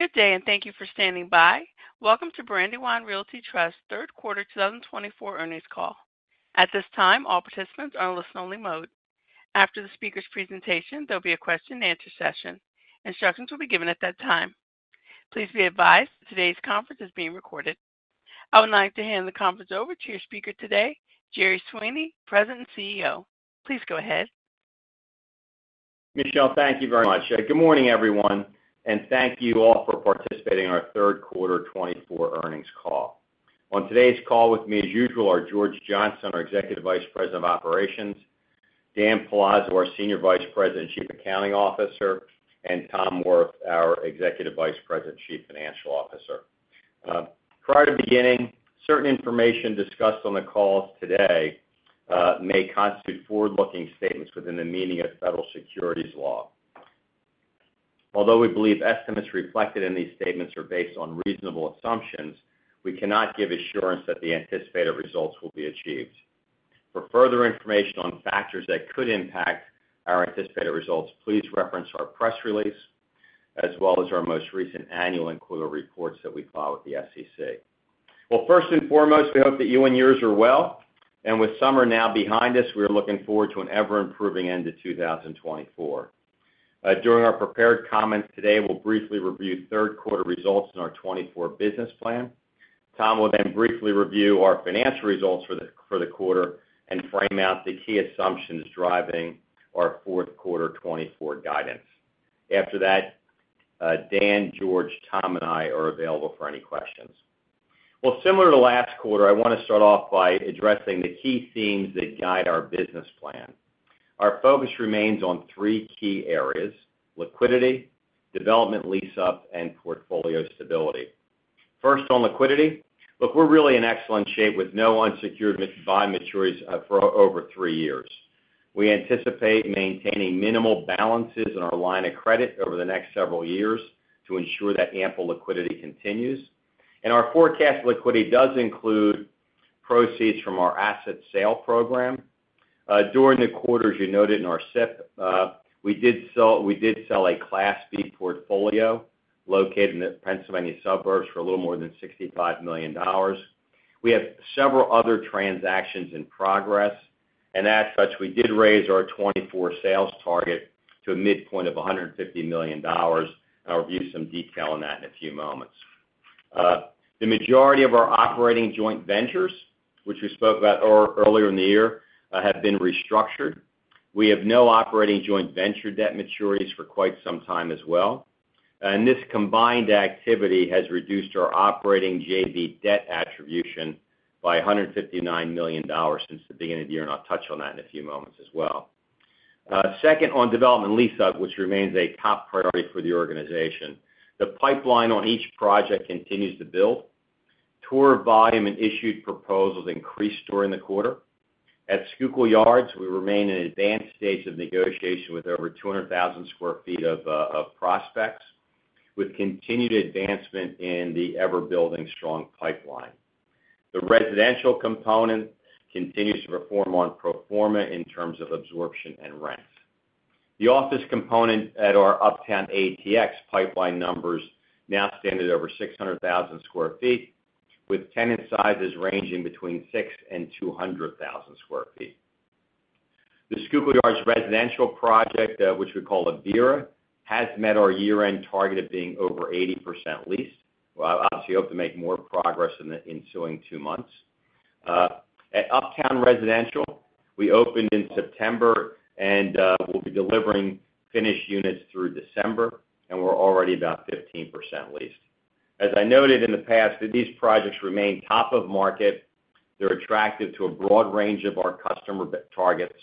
Good day, and thank you for standing by. Welcome to Brandywine Realty Trust third quarter 2024 earnings call. At this time, all participants are in listen-only mode. After the speaker's presentation, there'll be a question-and-answer session. Instructions will be given at that time. Please be advised, today's conference is being recorded. I would like to hand the conference over to your speaker today, Jerry Sweeney, President and CEO. Please go ahead. Michelle, thank you very much. Good morning, everyone, and thank you all for participating in our third quarter 2024 earnings call. On today's call with me, as usual, are George Johnstone, our Executive Vice President of Operations, Dan Palazzo, our Senior Vice President and Chief Accounting Officer, and Tom Wirth, our Executive Vice President and Chief Financial Officer. Prior to beginning, certain information discussed on the call today may constitute forward-looking statements within the meaning of federal securities law. Although we believe estimates reflected in these statements are based on reasonable assumptions, we cannot give assurance that the anticipated results will be achieved. For further information on factors that could impact our anticipated results, please reference our press release, as well as our most recent annual and quarterly reports that we file with the SEC. Well, first and foremost, we hope that you and yours are well, and with summer now behind us, we are looking forward to an ever-improving end to 2024. During our prepared comments today, we'll briefly review third quarter results in our 2024 business plan. Tom will then briefly review our financial results for the quarter and frame out the key assumptions driving our fourth quarter 2024 guidance. After that, Dan, George, Tom, and I are available for any questions. Well, similar to last quarter, I want to start off by addressing the key themes that guide our business plan. Our focus remains on three key areas: liquidity, development lease-up, and portfolio stability. First, on liquidity. Look, we're really in excellent shape with no unsecured bond maturities for over three years. We anticipate maintaining minimal balances in our line of credit over the next several years to ensure that ample liquidity continues. Our forecast liquidity does include proceeds from our asset sale program. During the quarter, as you noted in our SIP, we did sell a Class B portfolio located in the Pennsylvania suburbs for a little more than $65 million. We have several other transactions in progress, and as such, we did raise our 2024 sales target to a midpoint of $150 million. I'll review some detail on that in a few moments. The majority of our operating joint ventures, which we spoke about earlier in the year, have been restructured. We have no operating joint venture debt maturities for quite some time as well. This combined activity has reduced our operating JV debt attribution by $159 million since the beginning of the year, and I'll touch on that in a few moments as well. Second, on development and lease-up, which remains a top priority for the organization. The pipeline on each project continues to build. Tour volume and issued proposals increased during the quarter. At Schuylkill Yards, we remain in an advanced stage of negotiation with over 200,000 sq ft of prospects, with continued advancement in the ever-building strong pipeline. The residential component continues to perform on pro forma in terms of absorption and rents. The office component at our Uptown ATX pipeline numbers now stand at over 600,000 sq ft, with tenant sizes ranging between 6 and 200,000 sq ft. The Schuylkill Yards residential project, which we call Avira, has met our year-end target of being over 80% leased. We'll obviously hope to make more progress in the ensuing two months. At Uptown Residential, we opened in September and we'll be delivering finished units through December, and we're already about 15% leased. As I noted in the past, that these projects remain top of market, they're attractive to a broad range of our customer targets,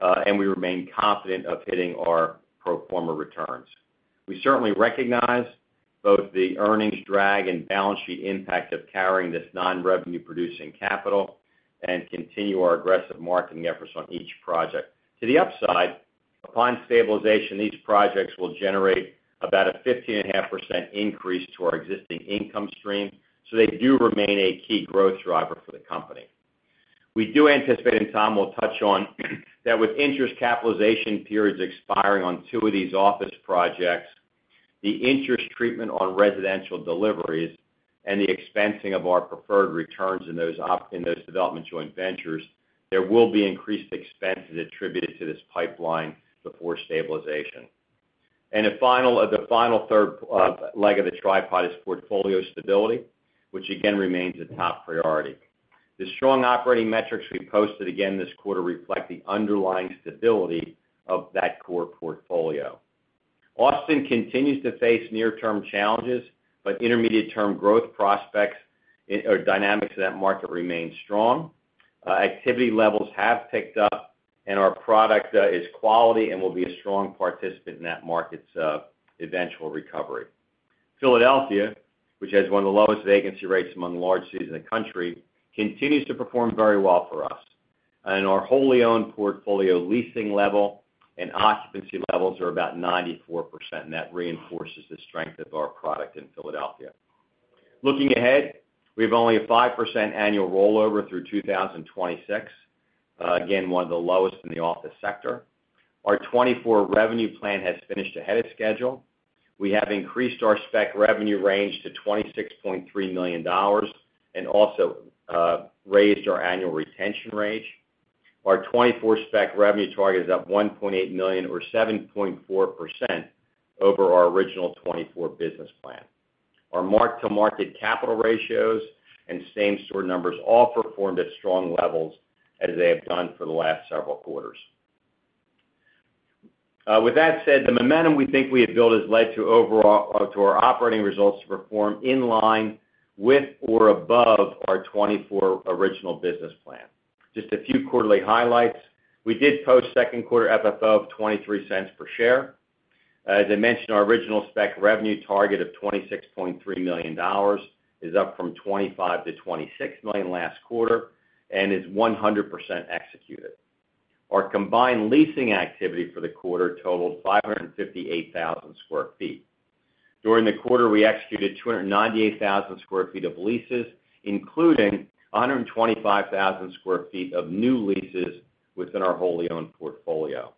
and we remain confident of hitting our pro forma returns. We certainly recognize both the earnings drag and balance sheet impact of carrying this non-revenue-producing capital and continue our aggressive marketing efforts on each project. To the upside, upon stabilization, these projects will generate about a 15.5% increase to our existing income stream, so they do remain a key growth driver for the company. We do anticipate, and Tom will touch on, that with interest capitalization periods expiring on two of these office projects, the interest treatment on residential deliveries and the expensing of our preferred returns in those development joint ventures, there will be increased expenses attributed to this pipeline before stabilization. And the final third leg of the tripod is portfolio stability, which again remains a top priority. The strong operating metrics we posted again this quarter reflect the underlying stability of that core portfolio. Austin continues to face near-term challenges, but intermediate-term growth prospects or dynamics of that market remain strong. Activity levels have picked up, and our product is quality and will be a strong participant in that market's eventual recovery. Philadelphia, which has one of the lowest vacancy rates among large cities in the country, continues to perform very well for us. And our wholly owned portfolio leasing level and occupancy levels are about 94%, and that reinforces the strength of our product in Philadelphia. Looking ahead, we have only a 5% annual rollover through two thousand twenty-six. Again, one of the lowest in the office sector. Our 2024 revenue plan has finished ahead of schedule. We have increased our spec revenue range to $26.3 million, and also raised our annual retention range. Our 2024 spec revenue target is up $1.8 million or 7.4% over our original 2024 business plan. Our mark-to-market capital ratios and same-store numbers all performed at strong levels as they have done for the last several quarters. With that said, the momentum we think we have built has led to our operating results to perform in line with or above our 2024 original business plan. Just a few quarterly highlights: We did post second quarter FFO of $0.23 per share. As I mentioned, our original spec revenue target of $26.3 million is up from $25-$26 million last quarter and is 100% executed. Our combined leasing activity for the quarter totaled 558,000 sq ft. During the quarter, we executed 298,000 sq ft of leases, including 125,000 sq ft of new leases within our wholly owned portfolio.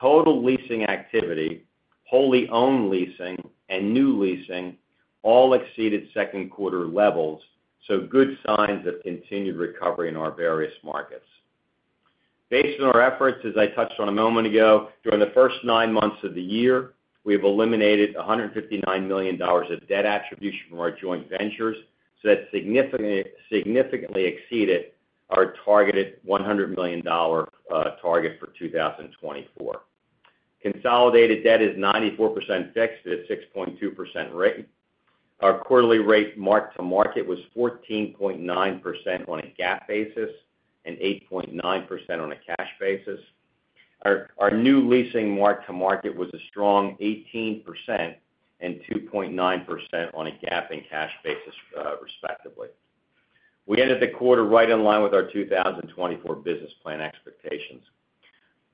Total leasing activity, wholly owned leasing, and new leasing all exceeded second quarter levels, so good signs of continued recovery in our various markets. Based on our efforts, as I touched on a moment ago, during the first nine months of the year, we have eliminated $159 million of debt attribution from our joint ventures, so that significantly exceeded our targeted $100 million target for 2024. Consolidated debt is 94% fixed at 6.2% rate. Our quarterly rate mark-to-market was 14.9% on a GAAP basis and 8.9% on a cash basis. Our new leasing mark-to-market was a strong 18% and 2.9% on a GAAP and cash basis, respectively. We ended the quarter right in line with our 2024 business plan expectations.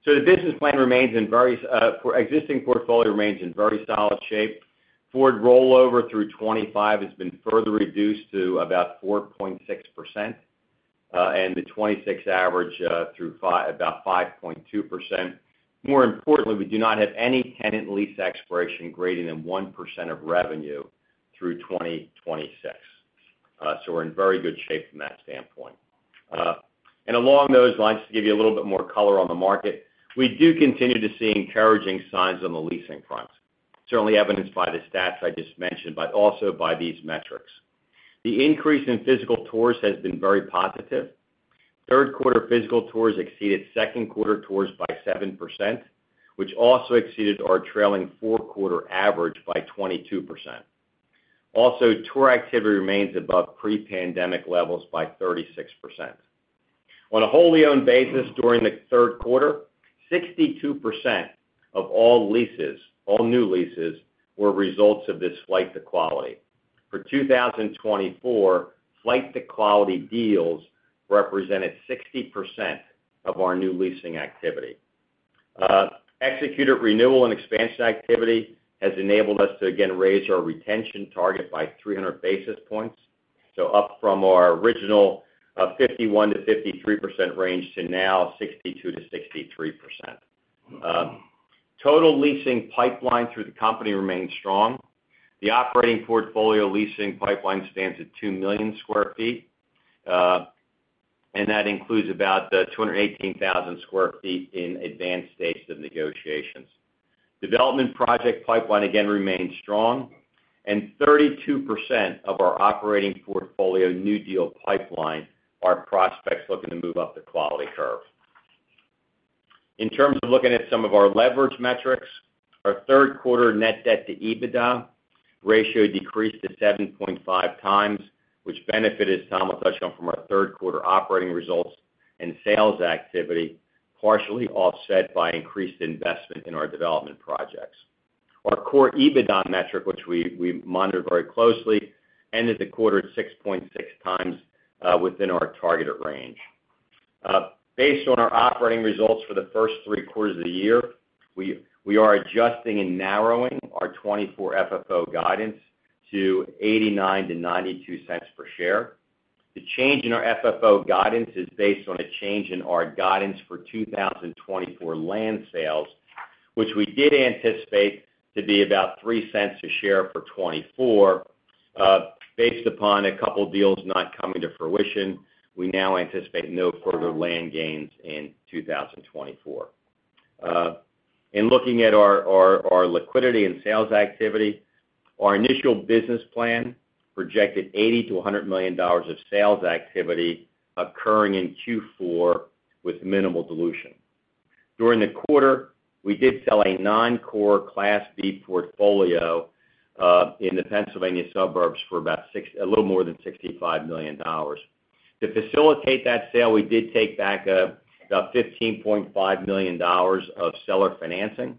So the business plan remains in very solid shape for the existing portfolio. Forward rollover through 2025 has been further reduced to about 4.6%, and the 2026 average through about five point two percent. More importantly, we do not have any tenant lease expiration greater than 1% of revenue through twenty twenty-six. So we're in very good shape from that standpoint. And along those lines, to give you a little bit more color on the market, we do continue to see encouraging signs on the leasing front. Certainly evidenced by the stats I just mentioned, but also by these metrics. The increase in physical tours has been very positive. Third quarter physical tours exceeded second quarter tours by 7%, which also exceeded our trailing four-quarter average by 22%. Also, tour activity remains above pre-pandemic levels by 36%. On a wholly owned basis, during the third quarter, 62% of all leases, all new leases, were results of this flight to quality. For 2024, flight to quality deals represented 60% of our new leasing activity. Executed renewal and expansion activity has enabled us to, again, raise our retention target by 300 basis points, so up from our original, 51%-53% range to now 62%-63%. Total leasing pipeline through the company remains strong. The operating portfolio leasing pipeline stands at 2 million sq ft, and that includes about, 218,000 sq ft in advanced stages of negotiations. Development project pipeline, again, remains strong, and 32% of our operating portfolio new deal pipeline are prospects looking to move up the quality curve. In terms of looking at some of our leverage metrics, our third quarter net debt to EBITDA ratio decreased to 7.5 times, which benefited, some I'll touch on, from our third quarter operating results and sales activity, partially offset by increased investment in our development projects. Our core EBITDA metric, which we monitor very closely, ended the quarter at 6.6 times within our targeted range. Based on our operating results for the first three quarters of the year, we are adjusting and narrowing our 2024 FFO guidance to $0.89-$0.92 per share. The change in our FFO guidance is based on a change in our guidance for 2024 land sales, which we did anticipate to be about $0.03 per share for 2024. Based upon a couple deals not coming to fruition, we now anticipate no further land gains in two thousand twenty-four. In looking at our liquidity and sales activity, our initial business plan projected $80-$100 million of sales activity occurring in Q4 with minimal dilution. During the quarter, we did sell a non-core Class B portfolio in the Pennsylvania suburbs for about a little more than $65 million. To facilitate that sale, we did take back about $15.5 million of seller financing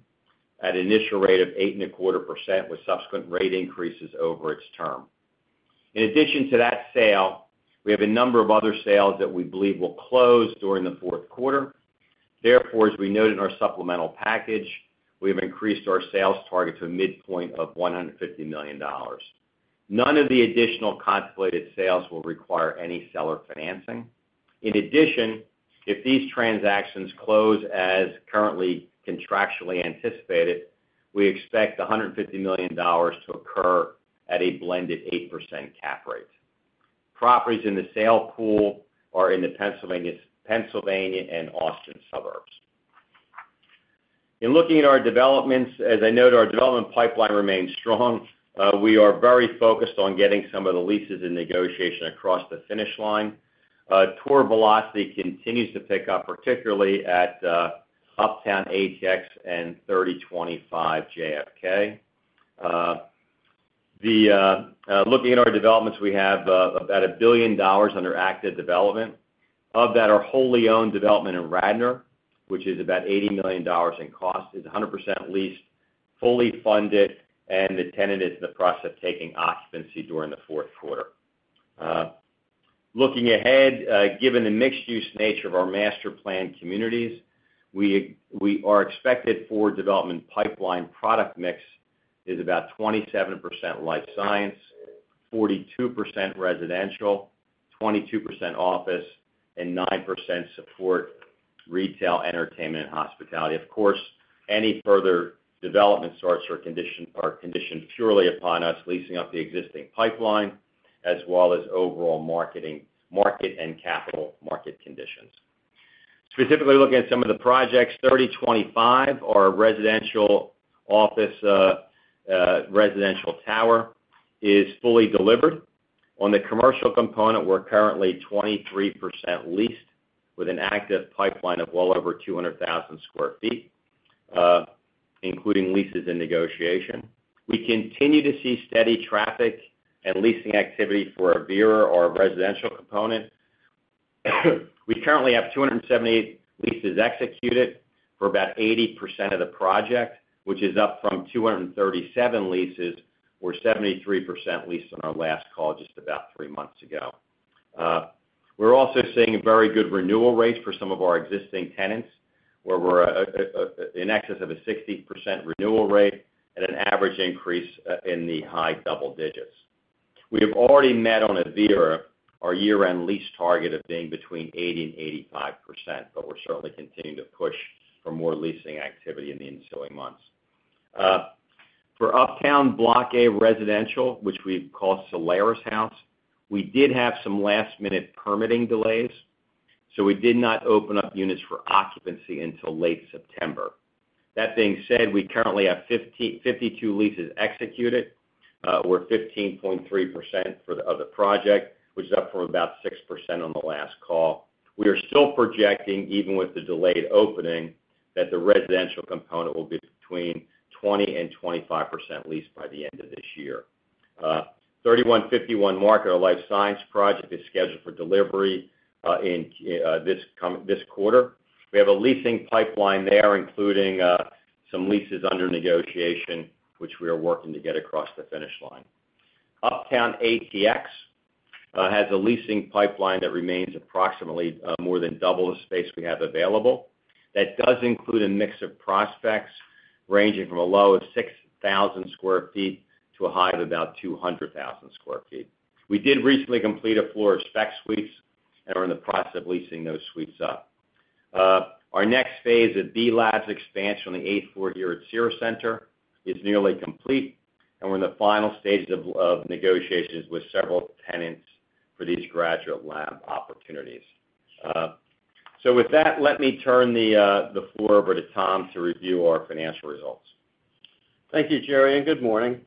at an initial rate of 8.25%, with subsequent rate increases over its term. In addition to that sale, we have a number of other sales that we believe will close during the fourth quarter. Therefore, as we noted in our supplemental package, we have increased our sales target to a midpoint of $150 million. None of the additional contemplated sales will require any seller financing. In addition, if these transactions close as currently contractually anticipated, we expect the $150 million to occur at a blended 8% cap rate. Properties in the sale pool are in the Pennsylvania and Austin suburbs. In looking at our developments, as I noted, our development pipeline remains strong. We are very focused on getting some of the leases and negotiation across the finish line. Tour velocity continues to pick up, particularly at Uptown ATX and 3025 JFK. Looking at our developments, we have about $1 billion under active development. Of that, our wholly owned development in Radnor, which is about $80 million in cost, is 100% leased, fully funded, and the tenant is in the process of taking occupancy during the fourth quarter. Looking ahead, given the mixed-use nature of our master planned communities, our expected forward development pipeline product mix is about 27% life science, 42% residential, 22% office, and 9% support retail, entertainment, and hospitality. Of course, any further development starts are conditioned purely upon us leasing up the existing pipeline, as well as overall marketing, market and capital market conditions. Specifically, looking at some of the projects, 3025, our residential office, residential tower is fully delivered. On the commercial component, we're currently 23% leased, with an active pipeline of well over 200,000 sq ft, including leases and negotiation. We continue to see steady traffic and leasing activity for Avira, our residential component. We currently have 278 leases executed for about 80% of the project, which is up from 237 leases, or 73% leased on our last call just about three months ago. We're also seeing very good renewal rates for some of our existing tenants, where we're in excess of a 60% renewal rate at an average increase in the high double digits. We have already met on Avira, our year-end lease target of being between 80% and 85%, but we're certainly continuing to push for more leasing activity in the ensuing months. For Uptown Block A residential, which we call Solaris House, we did have some last-minute permitting delays, so we did not open up units for occupancy until late September. That being said, we currently have fifty-two leases executed. We're 15.3% of the project, which is up from about 6% on the last call. We are still projecting, even with the delayed opening, that the residential component will be between 20% and 25% leased by the end of this year. 3151 Market, our life science project, is scheduled for delivery in this quarter. We have a leasing pipeline there, including some leases under negotiation, which we are working to get across the finish line. Uptown ATX has a leasing pipeline that remains approximately more than double the space we have available. That does include a mix of prospects ranging from a low of 6,000 sq ft to a high of about 200,000 sq ft. We did recently complete a floor of spec suites and are in the process of leasing those suites up. Our next phase, a B.Labs expansion on the eighth floor here at Cira Centre, is nearly complete, and we're in the final stages of negotiations with several tenants for these graduate lab opportunities. So with that, let me turn the floor over to Tom to review our financial results. Thank you, Jerry, and good morning.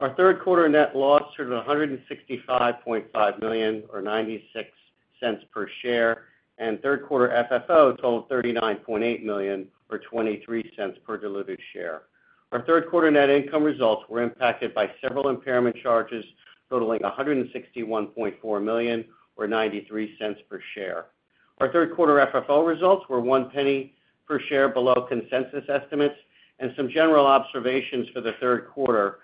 Our third quarter net loss turned $165.5 million, or $0.96 per share, and third quarter FFO totaled $39.8 million, or $0.23 per diluted share. Our third quarter net income results were impacted by several impairment charges totaling $161.4 million, or $0.93 per share. Our third quarter FFO results were $0.01 per share below consensus estimates and some general observations for the third quarter.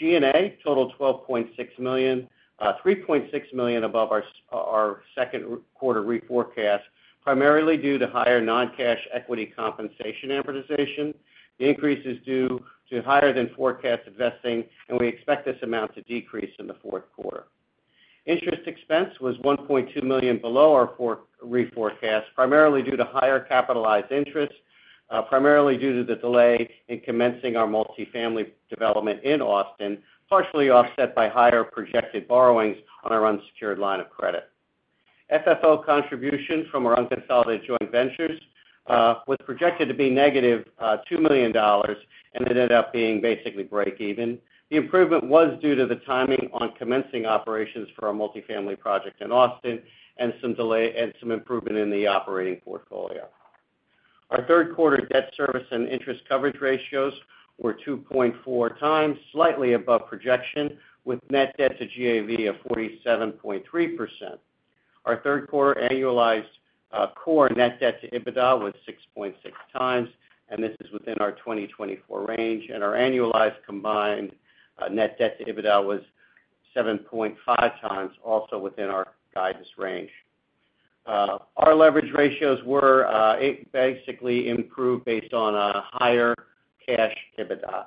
G&A totaled $12.6 million, $3.6 million above our second quarter reforecast, primarily due to higher non-cash equity compensation amortization. The increase is due to higher than forecast vesting, and we expect this amount to decrease in the fourth quarter. Interest expense was $1.2 million below our forecast, primarily due to higher capitalized interest, primarily due to the delay in commencing our multifamily development in Austin, partially offset by higher projected borrowings on our unsecured line of credit. FFO contribution from our unconsolidated joint ventures was projected to be negative $2 million, and it ended up being basically break even. The improvement was due to the timing on commencing operations for our multifamily project in Austin and some improvement in the operating portfolio. Our third quarter debt service and interest coverage ratios were 2.4 times, slightly above projection, with net debt to GAV of 47.3%. Our third quarter annualized core net debt to EBITDA was 6.6 times, and this is within our 2024 range, and our annualized combined net debt to EBITDA was 7.5 times, also within our guidance range. Our leverage ratios basically improved based on a higher cash EBITDA.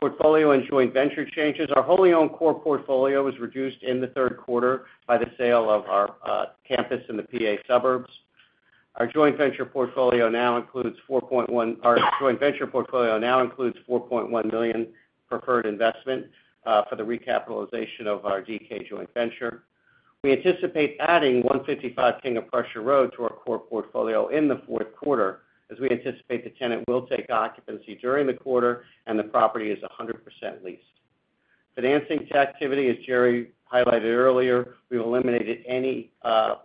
Portfolio and joint venture changes. Our wholly owned core portfolio was reduced in the third quarter by the sale of our campus in the PA suburbs. Our joint venture portfolio now includes 4.1 million preferred investment for the recapitalization of our MAP Joint Venture. We anticipate adding 155 King of Prussia Road to our core portfolio in the fourth quarter, as we anticipate the tenant will take occupancy during the quarter, and the property is 100% leased. Financing activity, as Jerry highlighted earlier, we've eliminated any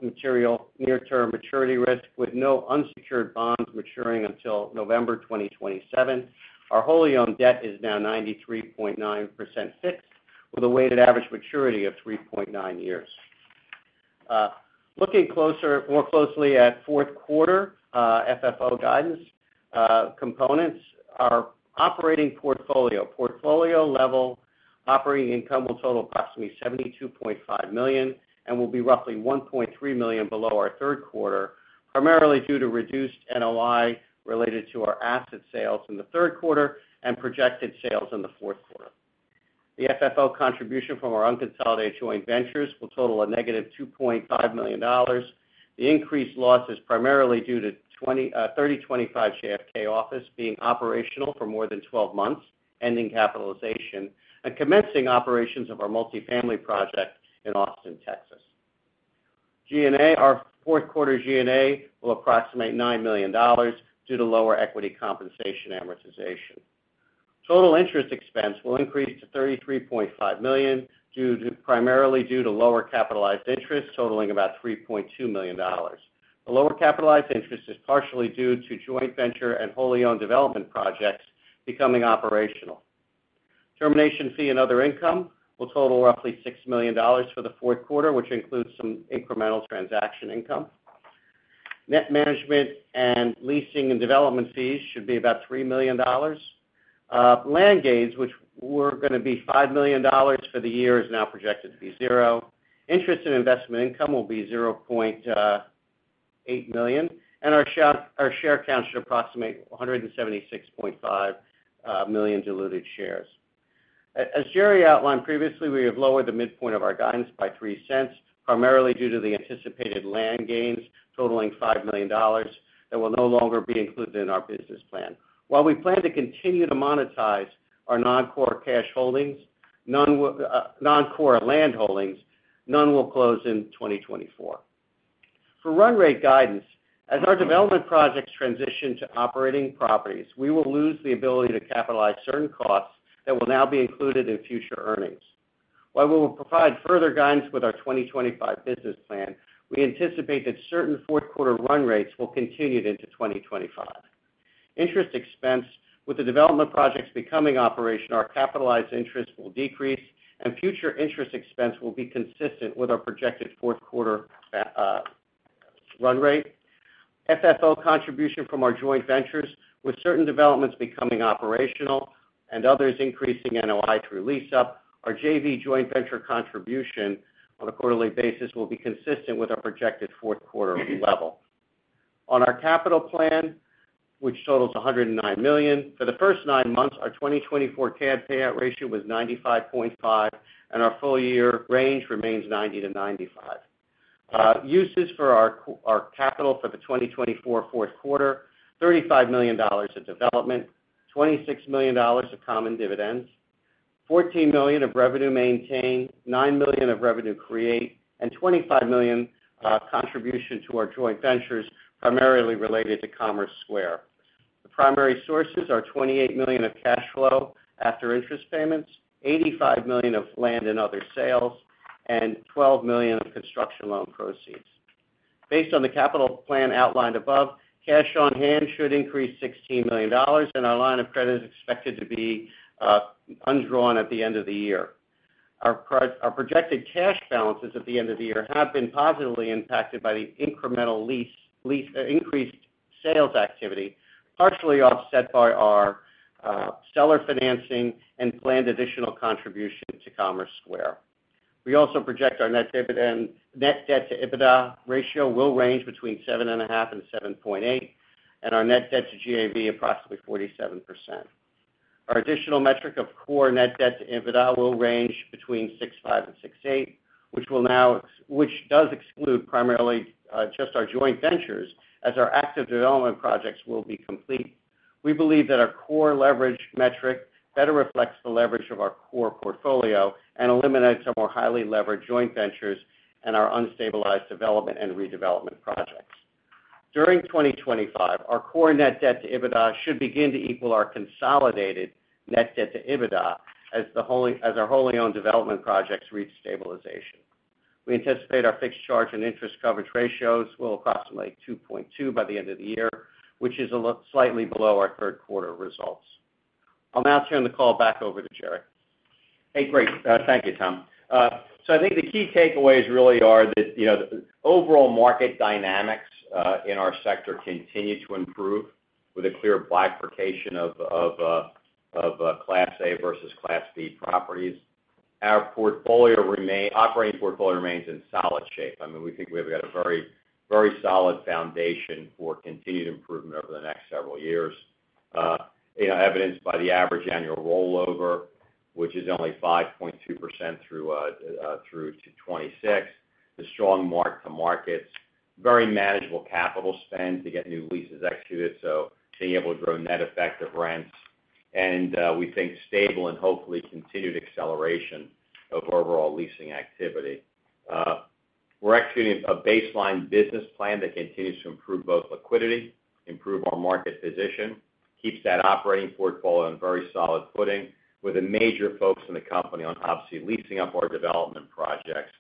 material near-term maturity risk, with no unsecured bonds maturing until November 2027. Our wholly owned debt is now 93.9% fixed, with a weighted average maturity of 3.9 years. Looking more closely at fourth quarter FFO guidance components, our operating portfolio portfolio level operating income will total approximately $72.5 million and will be roughly $1.3 million below our third quarter, primarily due to reduced NOI related to our asset sales in the third quarter and projected sales in the fourth quarter. The FFO contribution from our unconsolidated joint ventures will total -$2.5 million. The increased loss is primarily due to 3025 JFK office being operational for more than 12 months, ending capitalization and commencing operations of our multifamily project in Austin, Texas. G&A, our fourth quarter G&A will approximate $9 million due to lower equity compensation amortization. Total interest expense will increase to $33.5 million, primarily due to lower capitalized interest, totaling about $3.2 million. The lower capitalized interest is partially due to joint venture and wholly owned development projects becoming operational. Termination fee and other income will total roughly $6 million for the fourth quarter, which includes some incremental transaction income. Net management and leasing and development fees should be about $3 million. Land gains, which were going to be $5 million for the year, is now projected to be zero. Interest and investment income will be $0.8 million, and our share count should approximate 176.5 million diluted shares. As Jerry outlined previously, we have lowered the midpoint of our guidance by $0.03, primarily due to the anticipated land gains totaling $5 million that will no longer be included in our business plan. While we plan to continue to monetize our non-core land holdings, none will close in 2024. For run rate guidance, as our development projects transition to operating properties, we will lose the ability to capitalize certain costs that will now be included in future earnings. While we will provide further guidance with our 2025 business plan, we anticipate that certain fourth quarter run rates will continue into 2025. Interest expense. With the development projects becoming operational, our capitalized interest will decrease, and future interest expense will be consistent with our projected fourth quarter run rate. FFO contribution from our joint ventures, with certain developments becoming operational and others increasing NOI through lease up, our JV joint venture contribution on a quarterly basis will be consistent with our projected fourth quarter level. On our capital plan, which totals $109 million, for the first nine months, our 2024 CAD payout ratio was 95.5%, and our full year range remains 90%-95%. Uses for our capital for the 2024 fourth quarter, $35 million of development, $26 million of common dividends, $14 million of revenue maintain, $9 million of revenue create, and $25 million contribution to our joint ventures, primarily related to Commerce Square. The primary sources are $28 million of cash flow after interest payments, $85 million of land and other sales, and $12 million of construction loan proceeds. Based on the capital plan outlined above, cash on hand should increase $16 million, and our line of credit is expected to be undrawn at the end of the year. Our projected cash balances at the end of the year have been positively impacted by the incremental lease increased sales activity, partially offset by our seller financing and planned additional contribution to Commerce Square. We also project our net debt to EBITDA ratio will range between 7.5 and 7.8, and our net debt to GAV approximately 47%. Our additional metric of core net debt to EBITDA will range between 6.5 and 6.8, which does exclude primarily just our joint ventures, as our active development projects will be complete. We believe that our core leverage metric better reflects the leverage of our core portfolio and eliminates some more highly leveraged joint ventures and our unstabilized development and redevelopment projects. During 2025, our core net debt to EBITDA should begin to equal our consolidated net debt to EBITDA as our wholly owned development projects reach stabilization. We anticipate our fixed charge and interest coverage ratios will approximate 2.2 by the end of the year, which is slightly below our third quarter results. I'll now turn the call back over to Jerry. Hey, great. Thank you, Tom. So I think the key takeaways really are that, you know, the overall market dynamics in our sector continue to improve. With a clear bifurcation of Class A versus Class B properties. Our operating portfolio remains in solid shape. I mean, we think we have got a very, very solid foundation for continued improvement over the next several years. You know, evidenced by the average annual rollover, which is only 5.2% through to 2026. The strong mark-to-markets, very manageable capital spend to get new leases executed, so being able to grow net effective rents. And we think stable and hopefully continued acceleration of overall leasing activity. We're executing a baseline business plan that continues to improve both liquidity, improve our market position, keeps that operating portfolio on very solid footing, with a major focus in the company on obviously leasing up our development projects.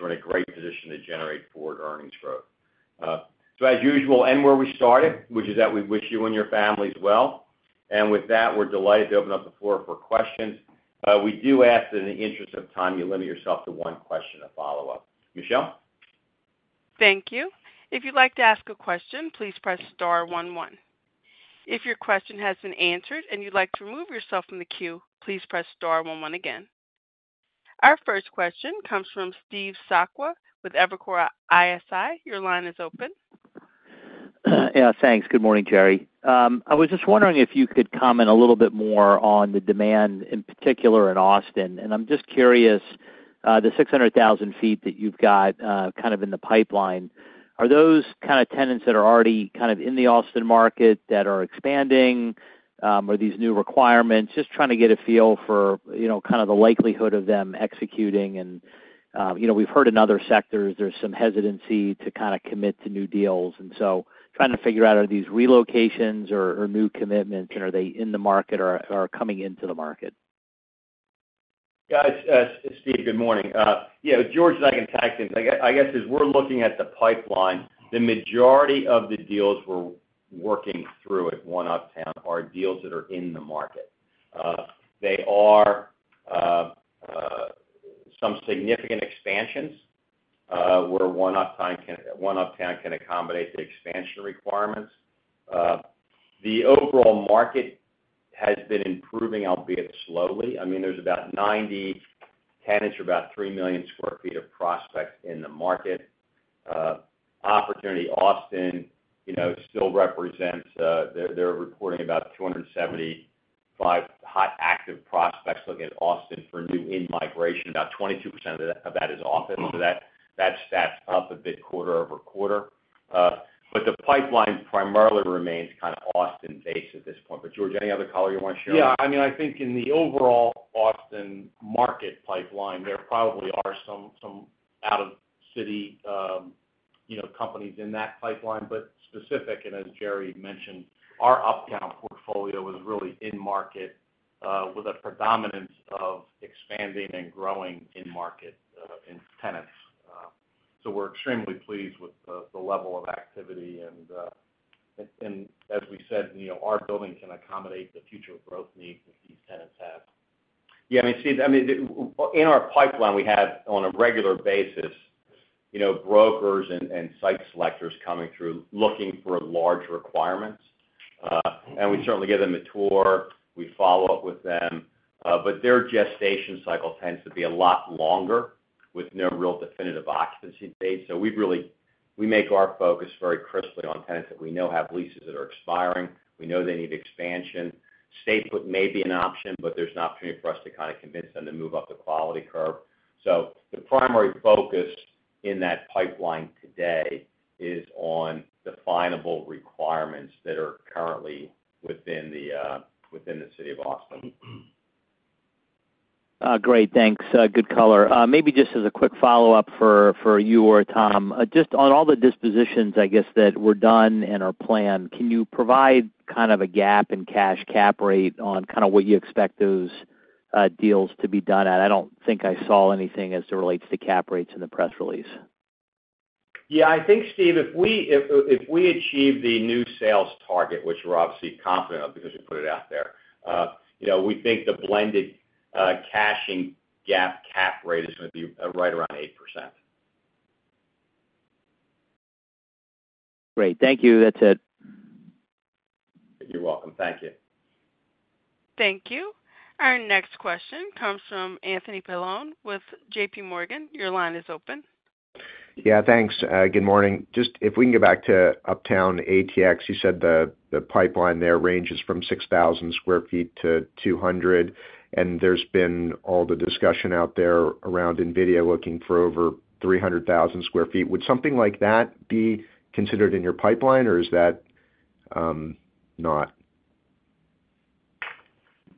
We're in a great position to generate forward earnings growth. So as usual, end where we started, which is that we wish you and your families well. And with that, we're delighted to open up the floor for questions. We do ask that in the interest of time, you limit yourself to one question and follow up. Michelle? Thank you. If you'd like to ask a question, please press star one one. If your question has been answered and you'd like to remove yourself from the queue, please press star one one again. Our first question comes from Steve Sakwa with Evercore ISI. Your line is open. Yeah, thanks. Good morning, Jerry. I was just wondering if you could comment a little bit more on the demand, in particular in Austin. And I'm just curious, the 600,000 sq ft that you've got, kind of in the pipeline, are those kind of tenants that are already kind of in the Austin market that are expanding, or these new requirements? Just trying to get a feel for, you know, kind of the likelihood of them executing and, you know, we've heard in other sectors, there's some hesitancy to kind of commit to new deals. And so trying to figure out, are these relocations or, or new commitments, and are they in the market or, or coming into the market? Guys, Steve, good morning. Yeah, George and I can tag in. I guess, as we're looking at the pipeline, the majority of the deals we're working through at One Uptown are deals that are in the market. They are some significant expansions where One Uptown can accommodate the expansion requirements. The overall market has been improving, albeit slowly. I mean, there's about 90 tenants or about 3 million sq ft of prospects in the market. Opportunity Austin, you know, still represents, they're reporting about two hundred and seventy-five hot, active prospects looking at Austin for new in-migration. About 22% of that is office. So that's up a bit quarter over quarter, but the pipeline primarily remains kind of Austin-based at this point. But George, any other color you want to share? Yeah, I mean, I think in the overall Austin market pipeline, there probably are some out-of-city, you know, companies in that pipeline. But specifically, and as Jerry mentioned, our Uptown portfolio is really in-market with a predominance of expanding and growing in-market tenants. So we're extremely pleased with the level of activity, and as we said, you know, our building can accommodate the future growth needs that these tenants have. Yeah, I mean, Steve, in our pipeline, we have on a regular basis, you know, brokers and site selectors coming through, looking for large requirements. And we certainly give them a tour, we follow up with them, but their gestation cycle tends to be a lot longer, with no real definitive occupancy date. So we really, we make our focus very crisply on tenants that we know have leases that are expiring. We know they need expansion. Stay put may be an option, but there's an opportunity for us to kind of convince them to move up the quality curve. So the primary focus in that pipeline today is on definable requirements that are currently within the city of Austin. Great. Thanks, good color. Maybe just as a quick follow-up for you or Tom. Just on all the dispositions, I guess, that were done and are planned, can you provide kind of a gap in cash cap rate on kind of what you expect those deals to be done at? I don't think I saw anything as it relates to cap rates in the press release. Yeah, I think, Steve, if we achieve the new sales target, which we're obviously confident of because we put it out there, you know, we think the blended cash cap rate is going to be right around 8%. Great. Thank you. That's it. You're welcome. Thank you. Thank you. Our next question comes from Anthony Paolone with J.P. Morgan. Your line is open. Yeah, thanks. Good morning. Just if we can go back to Uptown ATX, you said the pipeline there ranges from 6,000 sq ft to 200,000, and there's been all the discussion out there around NVIDIA looking for over 300,000 sq ft. Would something like that be considered in your pipeline, or is that not?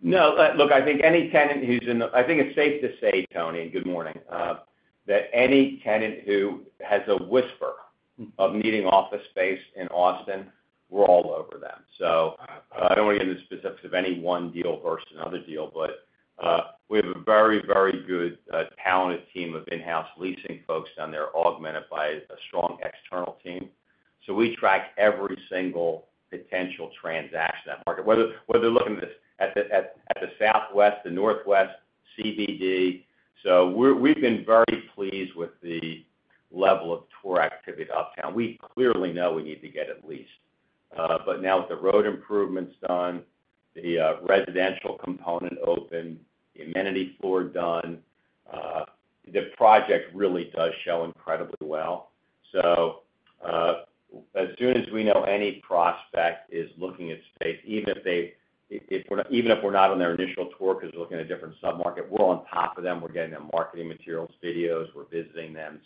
No, look, I think any tenant who's in the... I think it's safe to say, Tony, good morning, that any tenant who has a whisper of needing office space in Austin, we're all over them. So I don't want to get into the specifics of any one deal versus another deal, but, we have a very, very good, talented team of in-house leasing folks down there, augmented by a strong external team. So we track every single potential transaction in that market, whether they're looking at the Southwest, the Northwest, CBD. So we've been very pleased with the level of tour activity uptown. We clearly know we need to get it leased. But now with the road improvements done, the residential component open, the amenity floor done, the project really does show incredibly well. As soon as we know any prospect is looking at space, even if we're not on their initial tour, because they're looking at a different sub-market, we're on top of them. We're getting them marketing materials, videos, we're visiting them.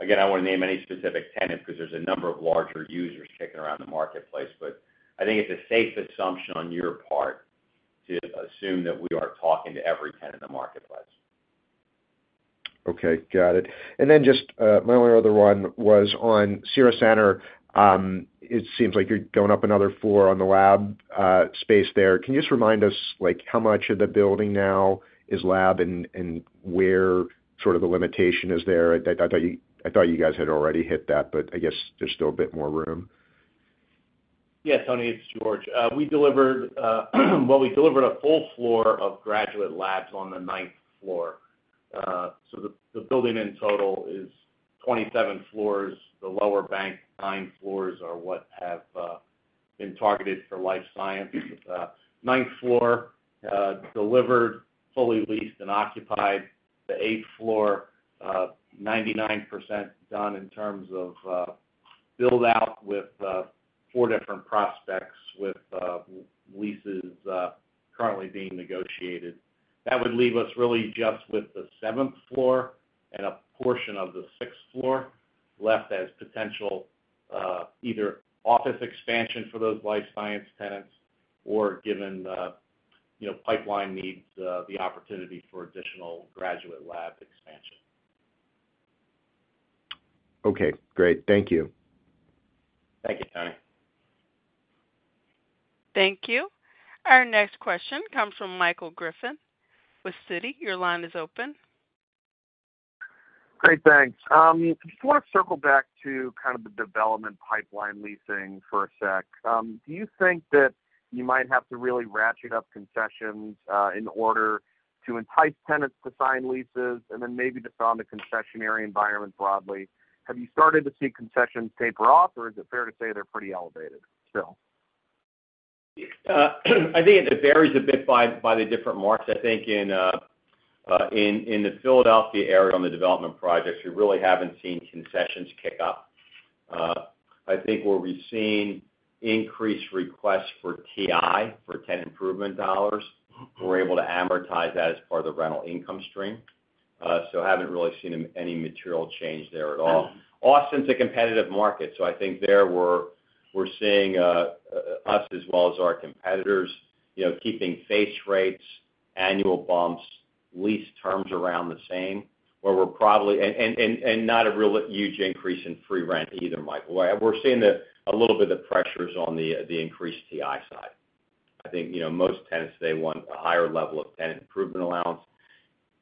Again, I won't name any specific tenant, because there's a number of larger users kicking around the marketplace. But I think it's a safe assumption on your part to assume that we are talking to every tenant in the marketplace. Okay, got it. And then just my only other one was on Cira Centre. It seems like you're going up another floor on the lab space there. Can you just remind us, like, how much of the building now is lab and where sort of the limitation is there? I thought you guys had already hit that, but I guess there's still a bit more room. Yeah, Tony, it's George. We delivered, well, we delivered a full floor of graduate labs on the ninth floor. So the building in total is twenty-seven floors. The lower bank, nine floors are what have been targeted for life science. Ninth floor, delivered, fully leased and occupied. The eighth floor, 99% done in terms of build-out, with four different prospects, with leases currently being negotiated. That would leave us really just with the seventh floor and a portion of the sixth floor left as potential, either office expansion for those life science tenants, or given, you know, pipeline needs, the opportunity for additional graduate lab expansion. Okay, great. Thank you. Thank you, Tony. Thank you. Our next question comes from Michael Griffin with Citi. Your line is open. Great, thanks. Just want to circle back to kind of the development pipeline leasing for a sec. Do you think that you might have to really ratchet up concessions in order to entice tenants to sign leases? And then maybe just on the concessionary environment broadly, have you started to see concessions taper off, or is it fair to say they're pretty elevated still? I think it varies a bit by the different markets. I think in the Philadelphia area, on the development projects, we really haven't seen concessions kick up. I think where we've seen increased requests for TI, for tenant improvement dollars, we're able to amortize that as part of the rental income stream. So I haven't really seen any material change there at all. Austin's a competitive market, so I think there we're seeing us, as well as our competitors, you know, keeping face rates, annual bumps, lease terms around the same, where we're probably and not a real huge increase in free rent either, Michael. We're seeing a little bit of pressures on the increased TI side. I think, you know, most tenants today want a higher level of tenant improvement allowance.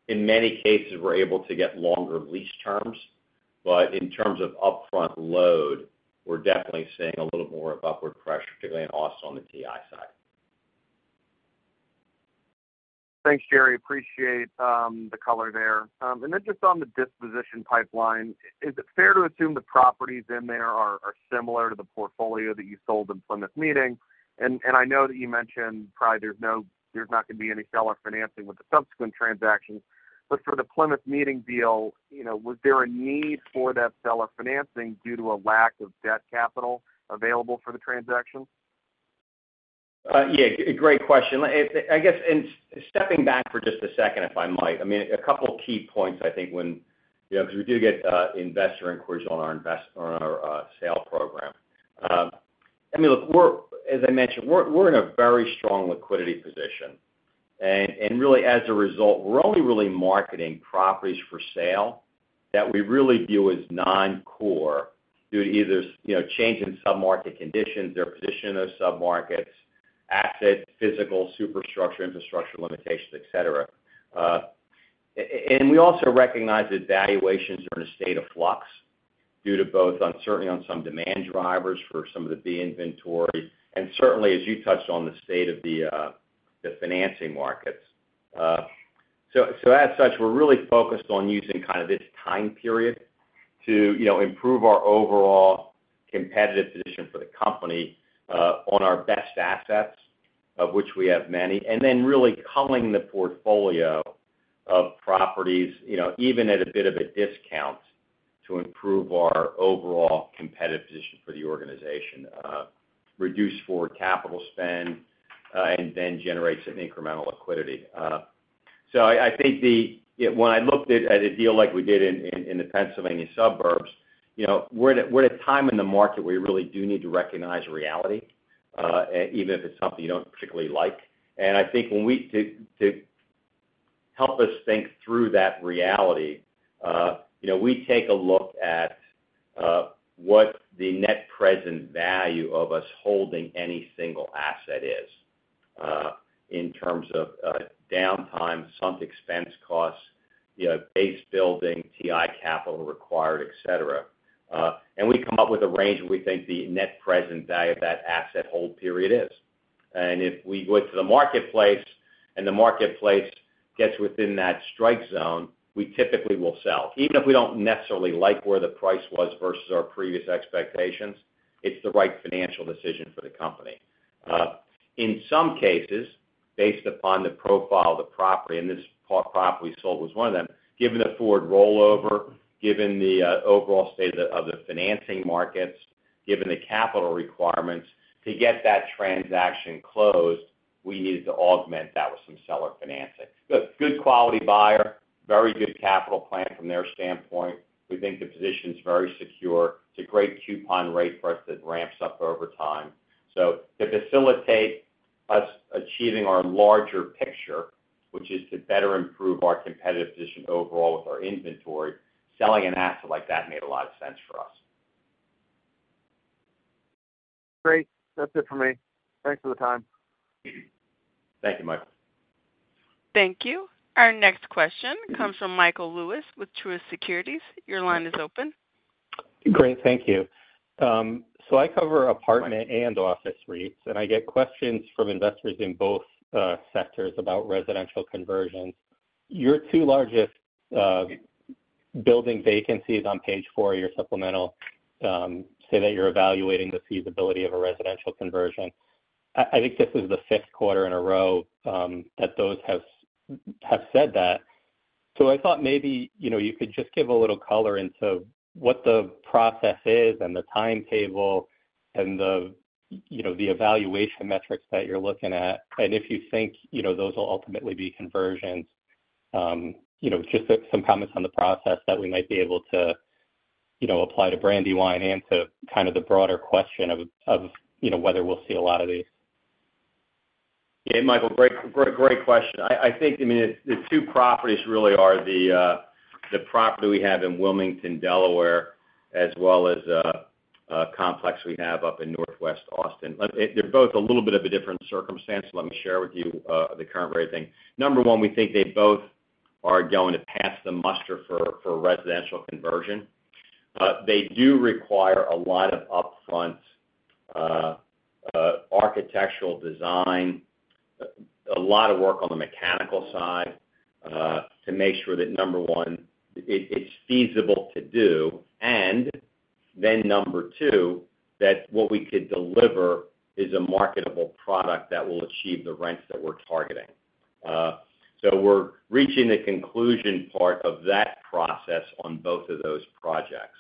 In many cases, we're able to get longer lease terms, but in terms of upfront load, we're definitely seeing a little more of upward pressure, particularly in Austin, on the TI side. Thanks, Jerry. Appreciate the color there. And then just on the disposition pipeline, is it fair to assume the properties in there are similar to the portfolio that you sold in Plymouth Meeting? And I know that you mentioned probably there's not going to be any seller financing with the subsequent transactions. But for the Plymouth Meeting deal, you know, was there a need for that seller financing due to a lack of debt capital available for the transaction? Yeah, great question. I guess, in stepping back for just a second, if I might, I mean, a couple of key points, I think when, you know, because we do get investor inquiries on our invest- on our sale program. I mean, look, we're, as I mentioned, in a very strong liquidity position. And really, as a result, we're only really marketing properties for sale that we really view as non-core due to either, you know, change in sub-market conditions or position of sub-markets, asset, physical, superstructure, infrastructure limitations, et cetera. And we also recognize that valuations are in a state of flux due to both on, certainly on some demand drivers for some of the B inventory, and certainly, as you touched on the state of the financing markets. So as such, we're really focused on using kind of this time period to, you know, improve our overall competitive position for the company on our best assets, of which we have many, and then really culling the portfolio of properties, you know, even at a bit of a discount, to improve our overall competitive position for the organization, reduce forward capital spend, and then generate some incremental liquidity. So I think when I looked at a deal like we did in the Pennsylvania suburbs, you know, we're at a time in the market where we really do need to recognize reality, even if it's something you don't particularly like. And I think to help us think through that reality, you know, we take a look at what the net present value of us holding any single asset is in terms of downtime, some expense costs, you know, base building, TI capital required, et cetera. And we come up with a range, and we think the net present value of that asset hold period is. And if we go to the marketplace and the marketplace gets within that strike zone, we typically will sell. Even if we don't necessarily like where the price was versus our previous expectations, it's the right financial decision for the company. In some cases, based upon the profile of the property, and this property sold was one of them, given the forward rollover, given the overall state of the financing markets, given the capital requirements to get that transaction closed, we needed to augment that with some seller financing. But good quality buyer, very good capital plan from their standpoint. We think the position is very secure. It's a great coupon rate for us that ramps up over time. So to facilitate us achieving our larger picture, which is to better improve our competitive position overall with our inventory, selling an asset like that made a lot of sense for us. Great. That's it for me. Thanks for the time. Thank you, Michael. Thank you. Our next question comes from Michael Lewis with Truist Securities. Your line is open. Great. Thank you. So I cover apartment and office REITs, and I get questions from investors in both sectors about residential conversions. Your two largest building vacancies on page four of your supplemental say that you're evaluating the feasibility of a residential conversion. I think this is the fifth quarter in a row that those have said that. So I thought maybe, you know, you could just give a little color into what the process is and the timetable and the, you know, the evaluation metrics that you're looking at, and if you think, you know, those will ultimately be conversions. You know, just some comments on the process that we might be able to, you know, apply to Brandywine and to kind of the broader question of, you know, whether we'll see a lot of these. Yeah, Michael, great, great question. I think, I mean, the two properties really are the property we have in Wilmington, Delaware, as well as a complex we have up in Northwest Austin. They're both a little bit of a different circumstance. Let me share with you the current way of thinking. Number one, we think they both are going to pass the muster for residential conversion. They do require a lot of upfront architectural design, a lot of work on the mechanical side, to make sure that, number one, it's feasible to do, and then number two, that what we could deliver is a marketable product that will achieve the rents that we're targeting. So we're reaching the conclusion part of that process on both of those projects.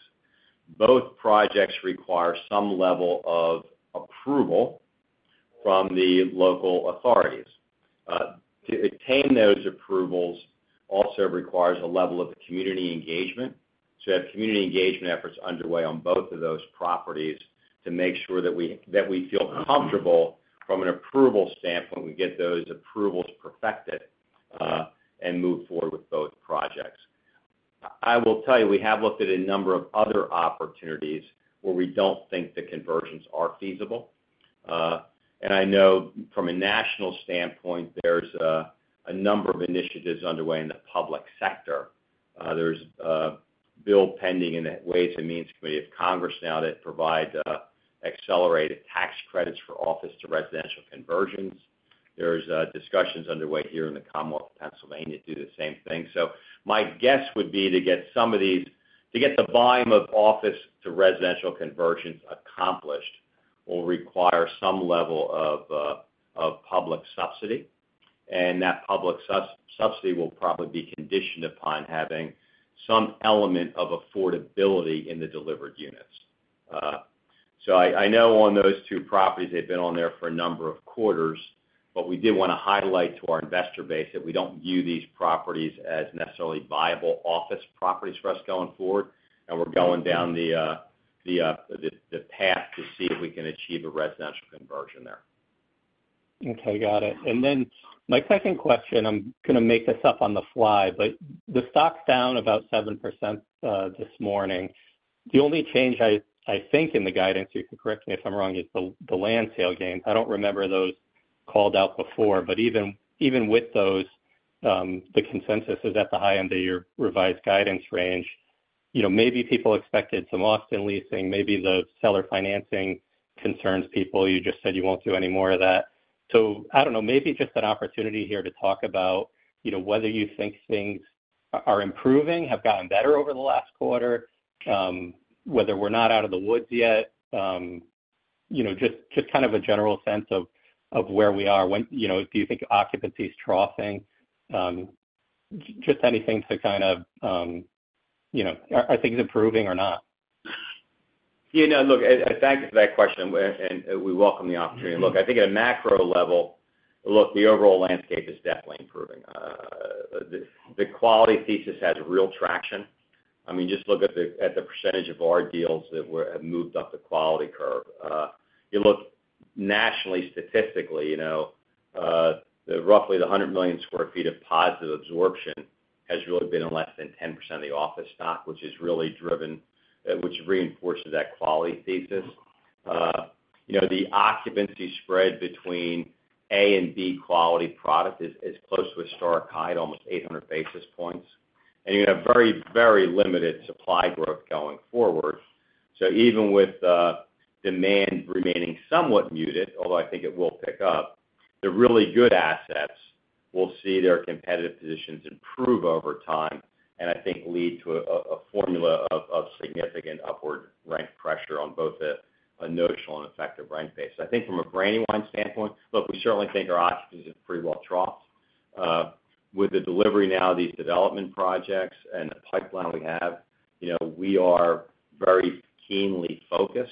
Both projects require some level of approval from the local authorities. To obtain those approvals, also requires a level of community engagement. So we have community engagement efforts underway on both of those properties to make sure that we, that we feel comfortable from an approval standpoint, we get those approvals perfected, and move forward with both projects. I will tell you, we have looked at a number of other opportunities where we don't think the conversions are feasible. And I know from a national standpoint, there's a number of initiatives underway in the public sector. There's a bill pending in the Ways and Means Committee of Congress now that provide accelerated tax credits for office to residential conversions. There's discussions underway here in the Commonwealth of Pennsylvania to do the same thing. So my guess would be to get some of these, to get the volume of office to residential conversions accomplished, will require some level of public subsidy, and that public subsidy will probably be conditioned upon having some element of affordability in the delivered units. So I know on those two properties, they've been on there for a number of quarters, but we did want to highlight to our investor base that we don't view these properties as necessarily viable office properties for us going forward, and we're going down the path to see if we can achieve a residential conversion there. Okay, got it. And then my second question, I'm gonna make this up on the fly, but the stock's down about 7% this morning. The only change I think in the guidance, you can correct me if I'm wrong, is the land sale gains. I don't remember those called out before, but even with those, the consensus is at the high end of your revised guidance range. You know, maybe people expected some Austin leasing, maybe the seller financing concerns people. You just said you won't do any more of that. So I don't know, maybe just an opportunity here to talk about, you know, whether you think things are improving, have gotten better over the last quarter, you know, just kind of a general sense of where we are, when. You know, do you think occupancy is troughing? Just anything to kind of, you know, are things improving or not? Yeah, no, look, I thank you for that question, and we welcome the opportunity. Look, I think at a macro level, look, the overall landscape is definitely improving. The quality thesis has real traction. I mean, just look at the percentage of our deals that have moved up the quality curve. You look nationally, statistically, you know, the roughly 100 million sq ft of positive absorption has really been in less than 10% of the office stock, which has really driven which reinforces that quality thesis. You know, the occupancy spread between A and B quality product is close to a historic high, at almost 800 basis points, and you have very, very limited supply growth going forward. So even with demand remaining somewhat muted, although I think it will pick up, the really good assets will see their competitive positions improve over time, and I think lead to a formula of significant upward rent pressure on both a notional and effective rent base. I think from a Brandywine standpoint, look, we certainly think our occupancy is pretty well troughed. With the delivery now of these development projects and the pipeline we have, you know, we are very keenly focused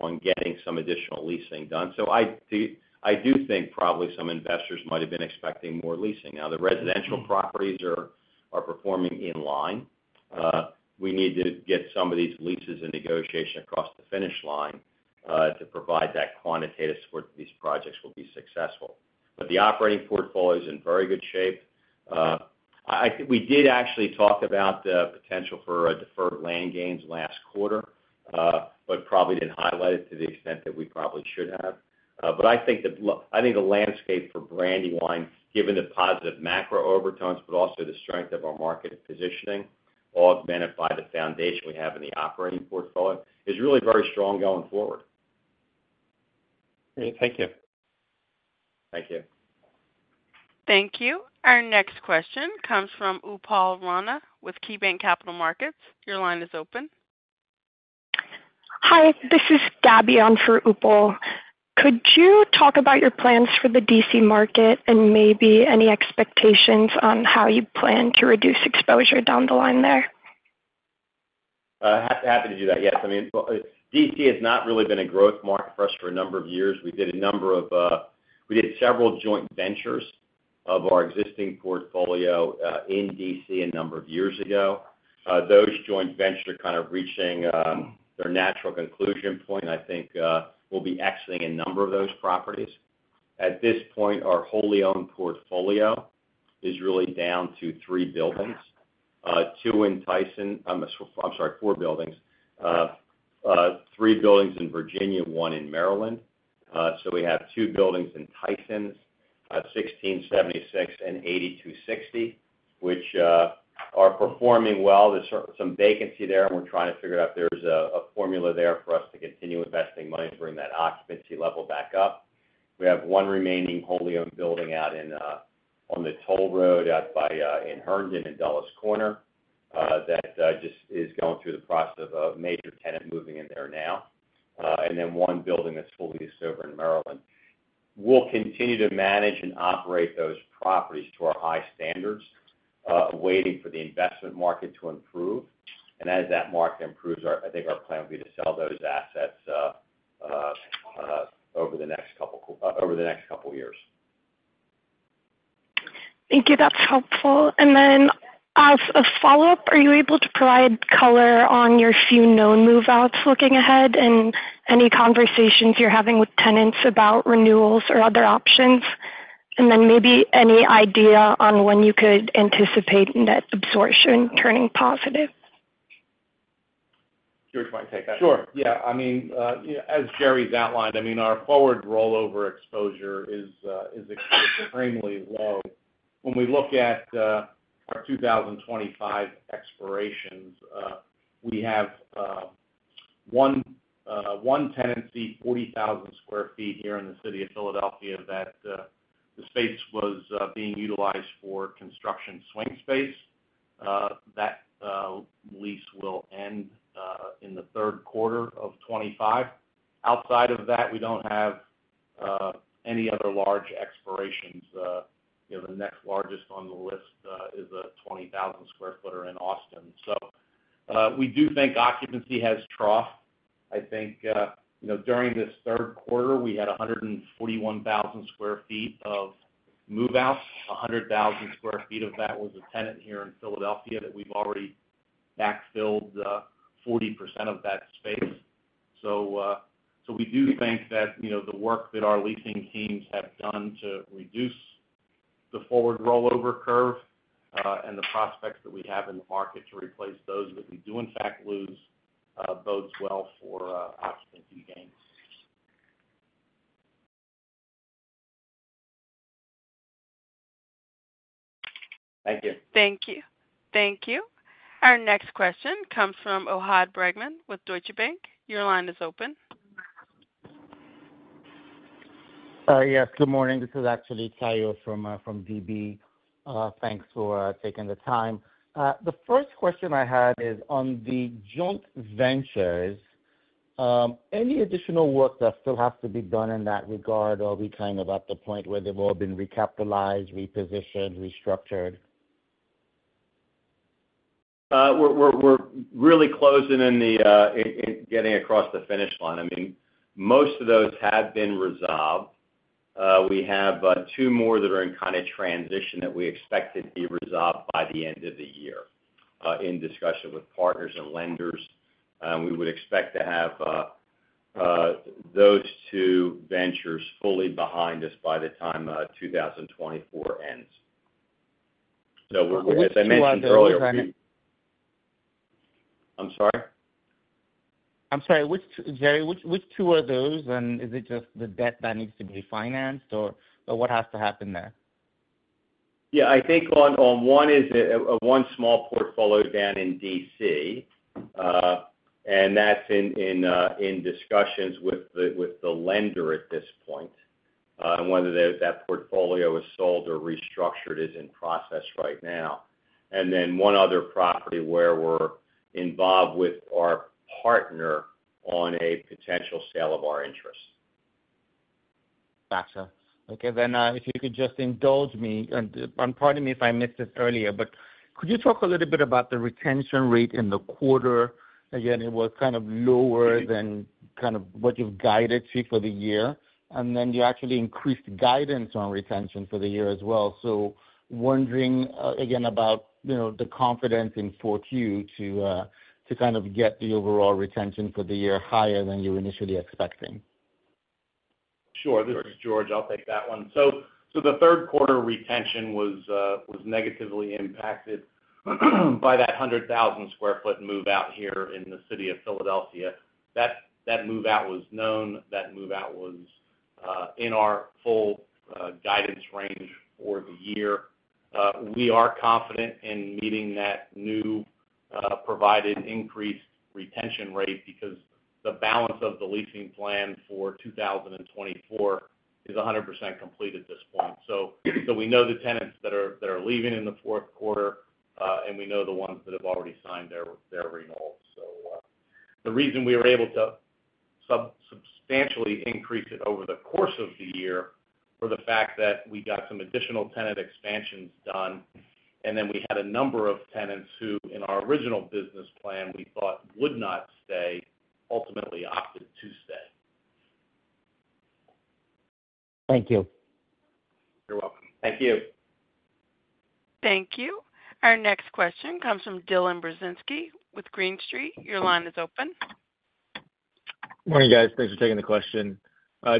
on getting some additional leasing done. So I do, I do think probably some investors might have been expecting more leasing. Now, the residential properties are performing in line. We need to get some of these leases and negotiation across the finish line to provide that quantitative support that these projects will be successful. But the operating portfolio is in very good shape. I think we did actually talk about the potential for a deferred land gains last quarter, but probably didn't highlight it to the extent that we probably should have. But I think the landscape for Brandywine, given the positive macro overtones, but also the strength of our market positioning, augmented by the foundation we have in the operating portfolio, is really very strong going forward. Great. Thank you. Thank you. Thank you. Our next question comes from Upal Rana with KeyBanc Capital Markets. Your line is open. Hi, this is Gabby on for Upal. Could you talk about your plans for the DC market and maybe any expectations on how you plan to reduce exposure down the line there? Happy to do that. Yes, I mean, well, DC has not really been a growth market for us for a number of years. We did several joint ventures of our existing portfolio in DC a number of years ago. Those joint ventures are kind of reaching their natural conclusion point, and I think we'll be exiting a number of those properties. At this point, our wholly owned portfolio is really down to three buildings, two in Tysons. I'm sorry, four buildings. Three buildings in Virginia, one in Maryland. So we have two buildings in Tysons, sixteen seventy-six and eighty-two sixty, which are performing well. There's some vacancy there, and we're trying to figure out if there's a formula there for us to continue investing money to bring that occupancy level back up. We have one remaining wholly owned building out on the toll road by Herndon in Dulles Corner that just is going through the process of a major tenant moving in there now, and then one building that's fully leased over in Maryland. We'll continue to manage and operate those properties to our high standards waiting for the investment market to improve. As that market improves, I think our plan will be to sell those assets over the next couple years. Thank you. That's helpful. And then as a follow-up, are you able to provide color on your few known move-outs looking ahead, and any conversations you're having with tenants about renewals or other options? And then maybe any idea on when you could anticipate net absorption turning positive? George, want to take that? Sure, yeah. I mean, you know, as Jerry's outlined, I mean, our forward rollover exposure is extremely low. When we look at our 2025 expirations, we have one tenancy, 40,000 sq ft here in the city of Philadelphia, that the space was being utilized for construction swing space. That lease will end in the third quarter of 2025. Outside of that, we don't have any other large expirations. You know, the next largest on the list is a 20,000 square footer in Austin. So, we do think occupancy has troughed. I think, you know, during this third quarter, we had 141,000 sq ft of move-outs. 100,000 sq ft of that was a tenant here in Philadelphia that we've already backfilled 40% of that space. So, we do think that, you know, the work that our leasing teams have done to reduce the forward rollover curve and the prospects that we have in the market to replace those that we do in fact lose bodes well for occupancy gains. Thank you. Thank you. Thank you. Our next question comes from Ohad Bregman with Deutsche Bank. Your line is open. Yes, good morning. This is actually Tayo from DB. Thanks for taking the time. The first question I had is on the joint ventures, any additional work that still has to be done in that regard, or are we kind of at the point where they've all been recapitalized, repositioned, restructured? We're really closing in on getting across the finish line. I mean, most of those have been resolved. We have two more that are in kind of transition that we expect to be resolved by the end of the year, in discussion with partners and lenders. We would expect to have those two ventures fully behind us by the time two thousand and twenty-four ends. So we're, as I mentioned earlier- Which two are those? I'm sorry? I'm sorry, which two, Jerry, which two are those? And is it just the debt that needs to be financed, or what has to happen there? Yeah, I think one is one small portfolio down in DC, and that's in discussions with the lender at this point, and whether that portfolio is sold or restructured is in process right now. And then one other property where we're involved with our partner on a potential sale of our interest. Gotcha. Okay, then, if you could just indulge me, and pardon me if I missed this earlier, but could you talk a little bit about the retention rate in the quarter? Again, it was kind of lower than kind of what you've guided to for the year, and then you actually increased guidance on retention for the year as well. So wondering, again, about, you know, the confidence in 4Q to, to kind of get the overall retention for the year higher than you initially expecting. Sure. This is George, I'll take that one. So, the third quarter retention was negatively impacted by that 100,000 sq ft move-out here in the city of Philadelphia. That move-out was known. That move-out was in our full guidance range for the year. We are confident in meeting that new provided increased retention rate because the balance of the leasing plan for 2024 is 100% complete at this point. So, we know the tenants that are leaving in the fourth quarter, and we know the ones that have already signed their renewals. So, the reason we were able to substantially increase it over the course of the year, were the fact that we got some additional tenant expansions done, and then we had a number of tenants who, in our original business plan, we thought would not stay, ultimately opted to stay. Thank you. You're welcome. Thank you. Thank you. Our next question comes from Dylan Burzinski with Green Street. Your line is open. Morning, guys. Thanks for taking the question.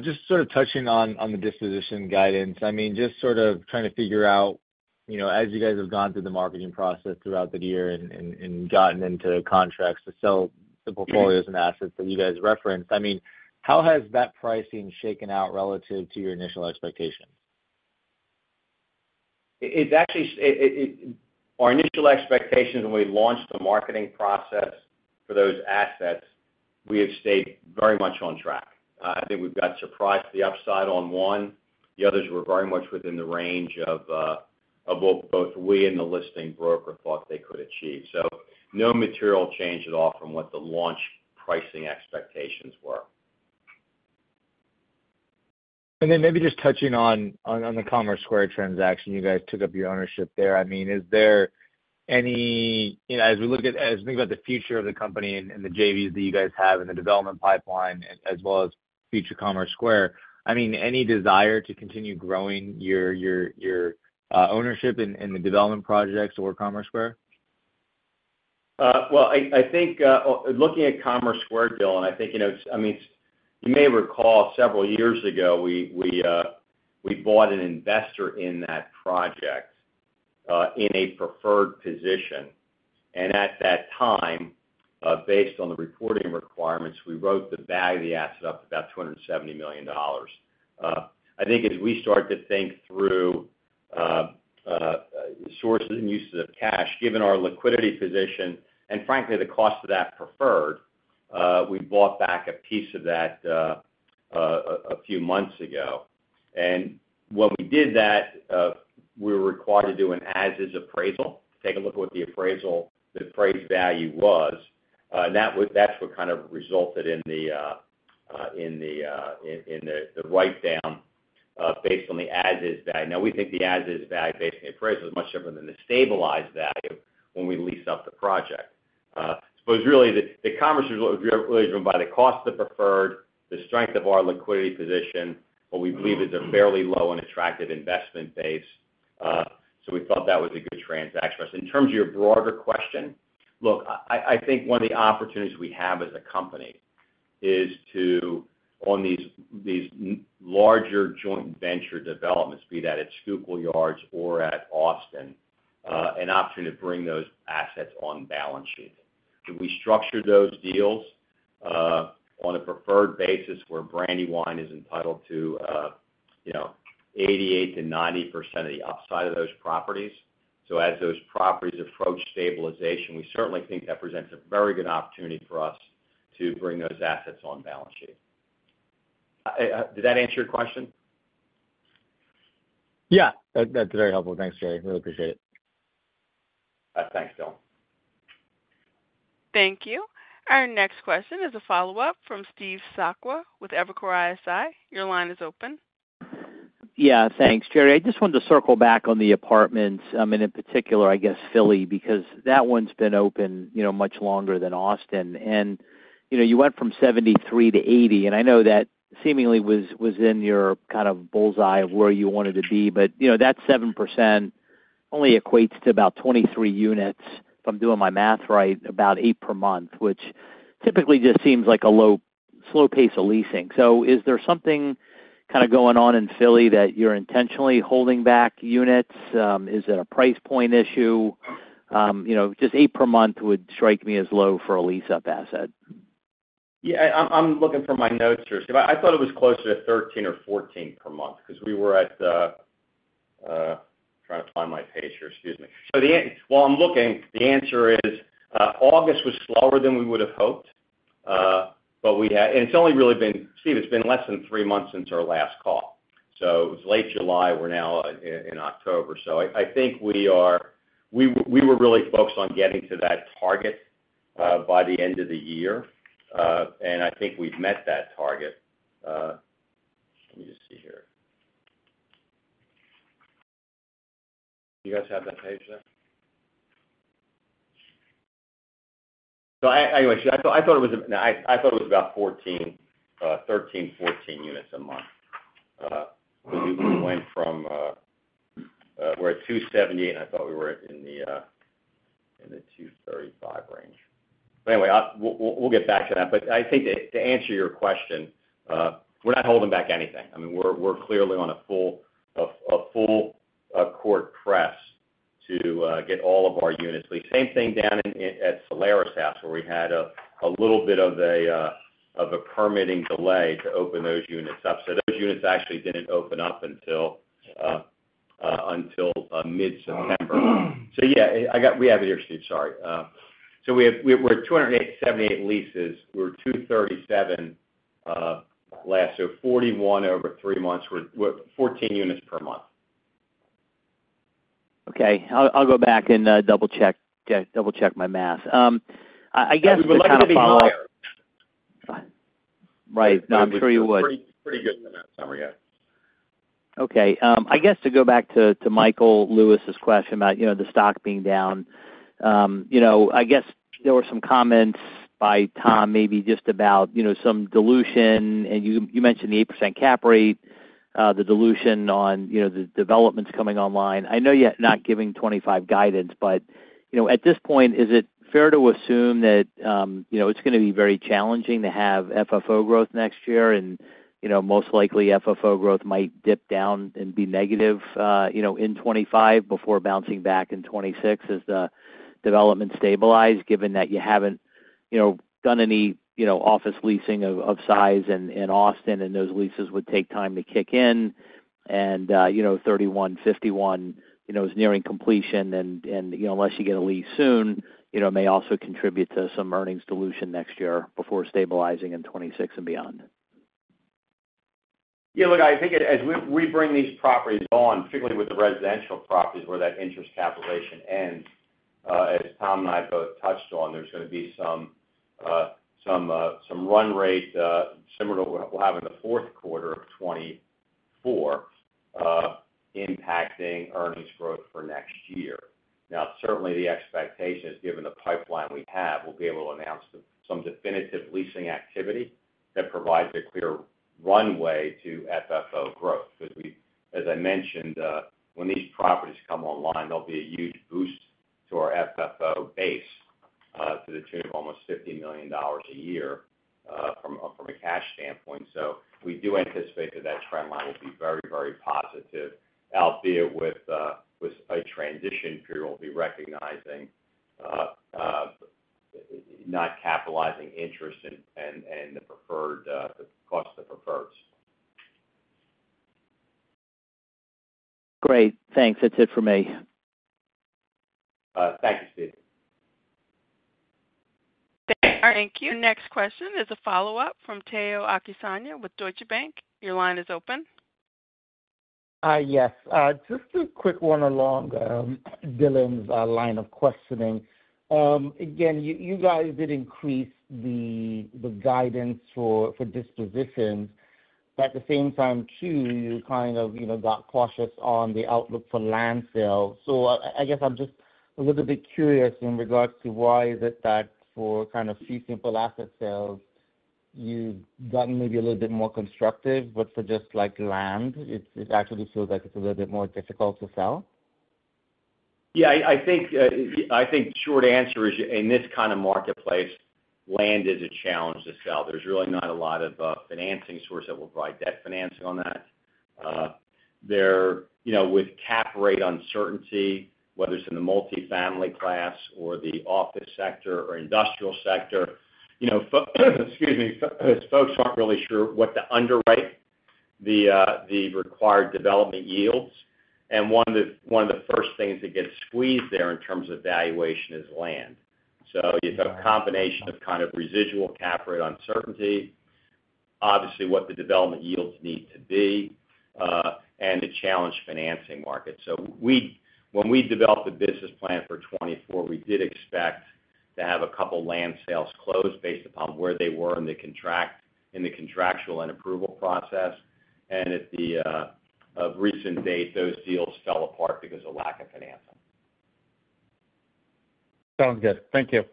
Just sort of touching on, on the disposition guidance. I mean, just sort of trying to figure out, you know, as you guys have gone through the marketing process throughout the year and, and, and gotten into contracts to sell the portfolios and assets that you guys referenced, I mean, how has that pricing shaken out relative to your initial expectations? It's actually our initial expectations when we launched the marketing process for those assets. We have stayed very much on track. I think we've got surprised the upside on one. The others were very much within the range of what both we and the listing broker thought they could achieve, so no material change at all from what the launch pricing expectations were. And then maybe just touching on the Commerce Square transaction, you guys took up your ownership there. I mean, is there any... You know, as we look at- as we think about the future of the company and the JVs that you guys have and the development pipeline, as well as future Commerce Square, I mean, any desire to continue growing your ownership in the development projects or Commerce Square? Well, I think, looking at Commerce Square, Dylan, I think, you know, I mean, you may recall several years ago, we bought an interest in that project in a preferred position. And at that time, based on the reporting requirements, we wrote the value of the asset up to about $270 million. I think as we start to think through sources and uses of cash, given our liquidity position, and frankly, the cost of that preferred, we bought back a piece of that a few months ago. When we did that, we were required to do an as-is appraisal, take a look at what the appraisal, the appraised value was, and that's what kind of resulted in the write down based on the as-is value. Now, we think the as-is value based on the appraisal is much different than the stabilized value when we lease up the project. It was really the Commerce Square was really driven by the cost of preferred, the strength of our liquidity position, what we believe is a fairly low and attractive investment base. We thought that was a good transaction for us. In terms of your broader question, look, I think one of the opportunities we have as a company is to on these larger joint venture developments, be that at Schuylkill Yards or at Austin, an opportunity to bring those assets on balance sheet, so we structured those deals on a preferred basis, where Brandywine is entitled to you know, 88%-90% of the upside of those properties, so as those properties approach stabilization, we certainly think that presents a very good opportunity for us to bring those assets on balance sheet. Did that answer your question? Yeah, that's very helpful. Thanks, Jerry. Really appreciate it. Thanks, Dylan. Thank you. Our next question is a follow-up from Steve Sakwa with Evercore ISI. Your line is open. Yeah, thanks, Jerry. I just wanted to circle back on the apartments, and in particular, I guess, Philly, because that one's been open, you know, much longer than Austin. You know, you went from 73 to 80, and I know that seemingly was in your kind of bull's-eye of where you wanted to be. But you know, that 7% only equates to about 23 units, if I'm doing my math right, about 8 per month, which typically just seems like a low, slow pace of leasing. So is there something kind of going on in Philly that you're intentionally holding back units? Is it a price point issue? You know, just 8 per month would strike me as low for a lease-up asset. Yeah, I'm looking for my notes here, Steve. I thought it was closer to thirteen or fourteen per month, because we were at the trying to find my page here. Excuse me. So the answer while I'm looking is August was slower than we would have hoped, but we had. And it's only really been, Steve, it's been less than three months since our last call, so it was late July, we're now in October. So I think we were really focused on getting to that target by the end of the year, and I think we've met that target. Let me just see here. Do you guys have that page there? So anyway, I thought it was about fourteen, thirteen, fourteen units a month. We went from, we're at 270, and I thought we were in the 235 range, but anyway, we'll get back to that, but I think to answer your question, we're not holding back anything. I mean, we're clearly on a full court press to get all of our units leased. Same thing down at Solaris House, where we had a little bit of a permitting delay to open those units up. Those units actually didn't open up until mid-September. Yeah, we have it here, Steve. Sorry, we have, we're at 278 leases. We were 237 last year, so 41 over three months. We're 14 units per month. Okay. I'll go back and double-check my math. I guess to kind of follow up- We would like to be higher. Right. No, I'm sure you would. Pretty, pretty good in that summary, yeah. Okay, I guess to go back to Michael Lewis's question about, you know, the stock being down. You know, I guess there were some comments by Tom, maybe just about, you know, some dilution, and you mentioned the 8% cap rate, the dilution on, you know, the developments coming online. I know you're not giving 2025 guidance, but, you know, at this point, is it fair to assume that, you know, it's gonna be very challenging to have FFO growth next year, and, you know, most likely FFO growth might dip down and be negative, you know, in 2025 before bouncing back in 2026 as the development stabilize, given that you haven't, you know, done any, you know, office leasing of size in Austin, and those leases would take time to kick in? You know, 3151 is nearing completion, and you know, unless you get a lease soon, you know, may also contribute to some earnings dilution next year before stabilizing in 2026 and beyond. Yeah, look, I think as we bring these properties on, particularly with the residential properties, where that interest capitalization ends, as Tom and I both touched on, there's gonna be some run rate similar to what we'll have in the fourth quarter of 2024, impacting earnings growth for next year. Now, certainly, the expectation is, given the pipeline we have, we'll be able to announce some definitive leasing activity that provides a clear runway to FFO growth. Because. As I mentioned, when these properties come online, there'll be a huge boost to our FFO base, to the tune of almost $50 million a year, from a cash standpoint. So we do anticipate that the trend line will be very, very positive, albeit with a transition period, we'll be recognizing not capitalizing interest and the preferred, the cost of preferreds. Great. Thanks. That's it for me. Thank you, Steve. Thank you. Next question is a follow-up from Tayo Okusanya with Deutsche Bank. Your line is open. Yes. Just a quick one along Dylan's line of questioning. Again, you guys did increase the guidance for dispositions, but at the same time, too, you kind of, you know, got cautious on the outlook for land sales. I guess I'm just a little bit curious in regards to why is it that for kind of fee simple asset sales, you've gotten maybe a little bit more constructive, but for just, like, land, it actually feels like it's a little bit more difficult to sell? Yeah, I think short answer is, in this kind of marketplace, land is a challenge to sell. There's really not a lot of financing source that will provide debt financing on that. You know, with cap rate uncertainty, whether it's in the multifamily class or the office sector or industrial sector, you know. Folks aren't really sure what to underwrite the required development yields, and one of the first things that gets squeezed there in terms of valuation is land. So you have a combination of kind of residual cap rate uncertainty, obviously, what the development yields need to be, and the challenging financing market. When we developed the business plan for 2024, we did expect to have a couple land sales closed based upon where they were in the contract, in the contractual and approval process, and as of recent date, those deals fell apart because of lack of financing. Sounds good. Thank you.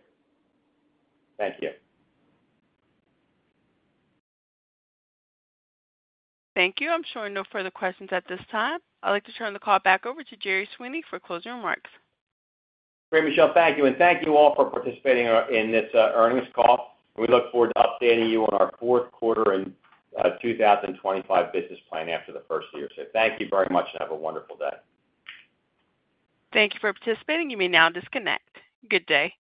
Thank you. Thank you. I'm showing no further questions at this time. I'd like to turn the call back over to Jerry Sweeney for closing remarks. Great, Michelle. Thank you, and thank you all for participating in this earnings call. We look forward to updating you on our fourth quarter and two thousand and twenty-five business plan after the first year. So thank you very much, and have a wonderful day. Thank you for participating. You may now disconnect. Good day!